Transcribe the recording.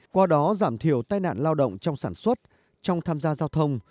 qua đó giảm thiểu tai nạn lao động trong sản xuất trong tham gia giao thông